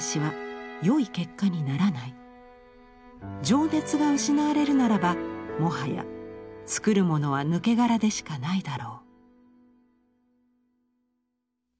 情熱が失われるならばもはや作るものは抜け殻でしかないだろう」。